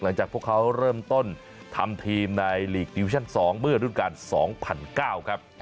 หลังจากพวกเขาเริ่มต้นทำทีมในหลีกดิวิชั่น๒เมื่อรุ่นการ๒๐๐๙ครับ